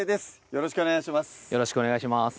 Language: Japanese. よろしくお願いします